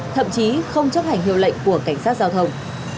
thậm chí không chấp hành hiệu lệnh của cảnh sát giao thông